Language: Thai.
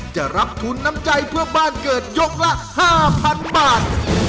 จะรับทุนน้ำใจเพื่อบ้านเกิดยกละ๕๐๐๐บาท